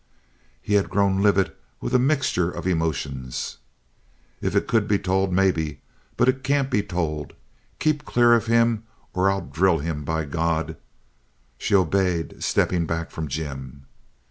He had grown livid with a mixture of emotions. "If it could be told. Maybe. But it can't be told! Keep clear of him, or I'll drill him, by God!" She obeyed, stepping back from Jim.